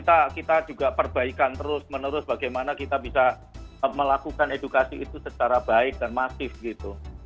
kita juga perbaikan terus menerus bagaimana kita bisa melakukan edukasi itu secara baik dan masif gitu